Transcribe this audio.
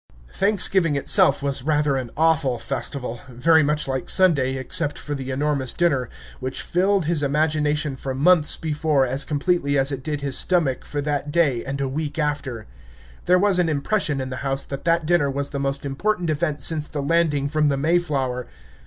Thanksgiving itself was rather an awful festival, very much like Sunday, except for the enormous dinner, which filled his imagination for months before as completely as it did his stomach for that day and a week after. There was an impression in the house that that dinner was the most important event since the landing from the Mayflower.